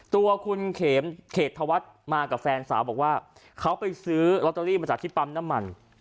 ตัวคุณเขตธวัฒน์มากับแฟนสาวบอกว่าเขาไปซื้อลอตเตอรี่มาจากที่ปั๊มน้ำมัน